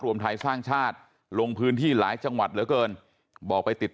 รวมไทยสร้างชาติลงพื้นที่หลายจังหวัดเหลือเกินบอกไปติด